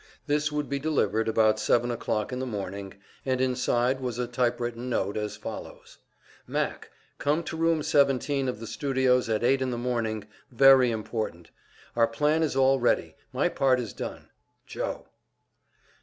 This would be delivered about seven o'clock in the morning, and inside was a typewritten note, as follows: "Mac: Come to Room 17 of the studios at eight in the morning. Very important. Our plan is all ready, my part is done. Joe."